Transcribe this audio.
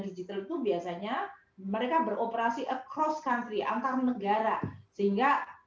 digital itu biasanya mereka beroperasi across country antar negara sehingga